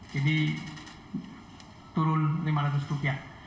jadi turun lima ratus rupiah